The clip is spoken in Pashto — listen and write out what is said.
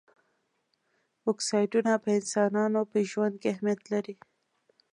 اکسایډونه په انسانانو په ژوند کې اهمیت لري.